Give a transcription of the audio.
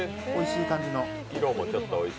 おいしい感じの。